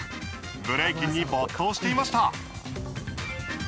ブレイキンに没頭していました。